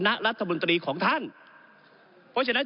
ก็ได้มีการอภิปรายในภาคของท่านประธานที่กรกครับ